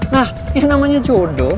nah yang namanya jodo